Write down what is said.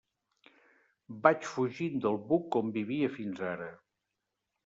Vaig fugint del buc on vivia fins ara.